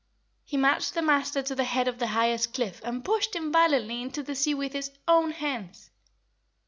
He marched the Master to the head of the highest cliff and pushed him violently into the sea with his OWN hands!"